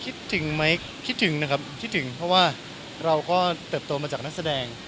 คิดถึงไหมคิดถึงนะครับคิดถึงเพราะว่าเราก็เติบโตมาจากนักแสดง